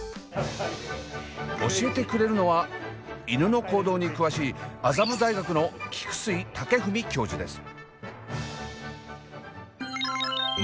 教えてくれるのは犬の行動に詳しい麻布大学の菊水健史教授です。